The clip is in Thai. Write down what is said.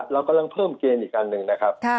เรากำลังเพิ่มเกณฑ์อีกอันหนึ่งนะครับ